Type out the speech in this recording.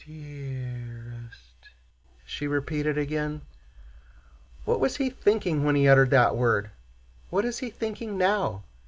"Dear est!" she repeated again. "What was he thinking when he uttered that word? What is he thinking now?"